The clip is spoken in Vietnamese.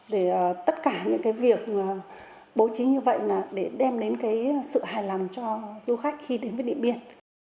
để tất cả những cái việc bố trí như vậy là để đem đến cái sự hài lòng cho du khách khi đến với điện biên